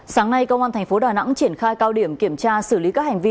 sáng nay công an tp đà nẵng triển khai cao điểm kiểm tra xử lý các hành vi